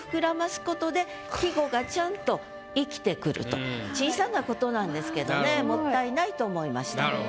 でこういう小さな事なんですけどねもったいないと思いました。